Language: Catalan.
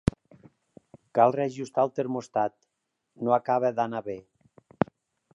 Cal reajustar el termòstat: no acaba d'anar bé.